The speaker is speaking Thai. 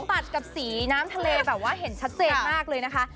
ตัดกับสีน้ำทะเลแบบว่าเห็นชัดเจนมากเลยนะคะ